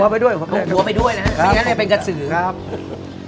ขอหัวไปด้วยนะครับ